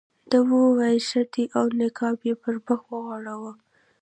ده وویل ښه دی او نقاب یې پر مخ وغوړاوه.